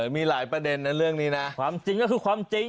มีหลายประเด็นนะเรื่องนี้นะความจริงก็คือความจริง